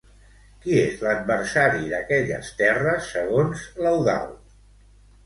Qui és l'adversari d'aquelles terres, segons l'Eudald?